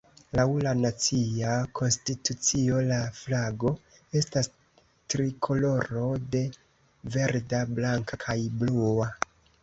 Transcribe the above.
Laŭ la nacia konstitucio, la flago estas trikoloro de verda, blanka kaj blua.